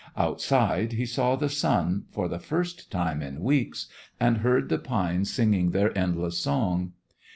Outside he saw the sun, for the first time in weeks, and heard the pines singing their endless song.